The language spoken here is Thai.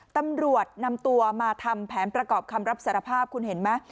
ตำรวจนำตัวมาทำแผนประกอบคำรับสารภาพคุณเห็นไหม